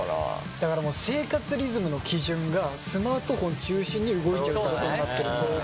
だからもう生活リズムの基準がスマートフォン中心に動いちゃうってことになってるんだよね。